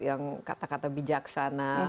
yang kata kata bijaksana